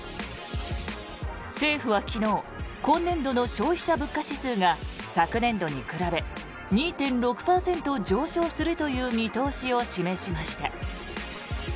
政府は昨日今年度の消費者物価指数が昨年度に比べ２．６％上昇するという見通しを示しました。